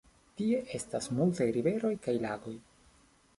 Tie estas multaj riveroj kaj lagoj.